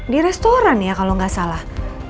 di restoran ya kalau nggak salah